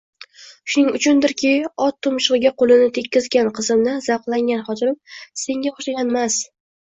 Shuning uchundirki, ot tumshug`iga qo`lini tekkizgan qizimdan zavqlangan xotinim Senga o`xshaganmas